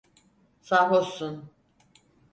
Sarhoşsun!